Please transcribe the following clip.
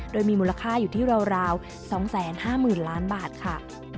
โดยมีมูลค่าอยู่ที่ราว๒๕๐๐๐ล้านบาทค่ะ